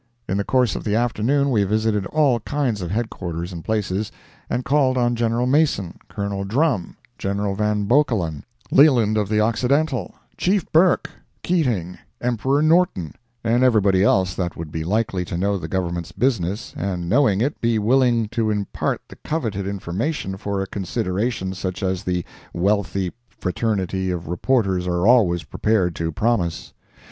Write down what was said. In the course of the afternoon we visited all kinds of headquarters and places, and called on General Mason, Colonel Drum, General Van Bokkelen, Leland of the Occidental, Chief Burke, Keating, Emperor Norton, and everybody else that would be likely to know the Government's business, and knowing it, be willing to impart the coveted information for a consideration such as the wealthy fraternity of reporters are always prepared to promise.